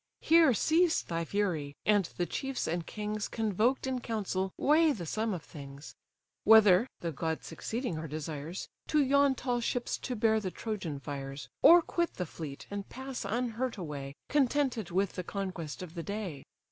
Here cease thy fury: and, the chiefs and kings Convoked to council, weigh the sum of things. Whether (the gods succeeding our desires) To yon tall ships to bear the Trojan fires; Or quit the fleet, and pass unhurt away, Contented with the conquest of the day.